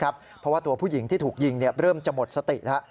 เพราะว่าตัวผู้หญิงที่ถูกยิงเริ่มจะหมดสติแล้ว